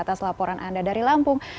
atas laporan anda dari lampung